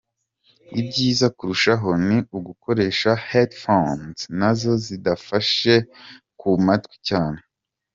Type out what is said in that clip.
Ibyiza kurushaho ni ugukoresha headphones nazo zidafashe ku matwi cyane.